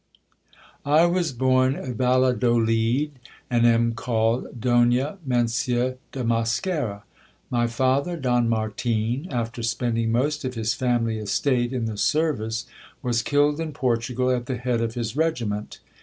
I was born at Valladolid, and am called Donna Mencia de Mosquera. My father, Don Martin, after spending most of his family ~es~tate in the sen ice, was lulled in Portugal at the head of his regiment.